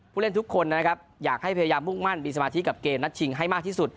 เล่นทุกคนนะครับอยากให้พยายามมุ่งมั่นมีสมาธิกับเกมนัดชิงให้มากที่สุด